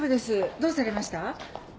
どうされました？